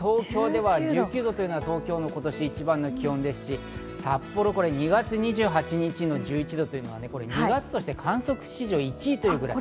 東京では１９度というのが東京で今年一番の気温ですし、札幌は２月２８日の１１度というのは、２月として観測史上１位。